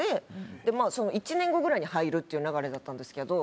その１年後ぐらいに入るっていう流れだったんですけど。